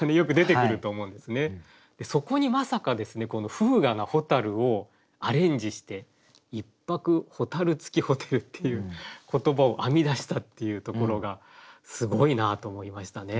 そこにまさかこの風雅な蛍をアレンジして「一泊蛍つきホテル」っていう言葉を編み出したっていうところがすごいなと思いましたね。